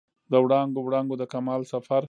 د وړانګو، وړانګو د کمال سفر